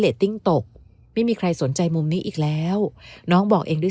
ตติ้งตกไม่มีใครสนใจมุมนี้อีกแล้วน้องบอกเองด้วย